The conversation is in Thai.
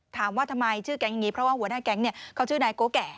ถามว่าทำไมชื่อแก๊งอย่างนี้เพราะว่าหัวหน้าแก๊งเขาชื่อนายโกแก่